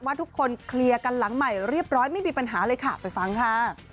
ทุกคนเคลียร์กันหลังใหม่เรียบร้อยไม่มีปัญหาเลยค่ะไปฟังค่ะ